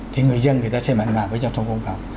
thì người dân người ta sẽ mạnh mạng với giao thông công cộng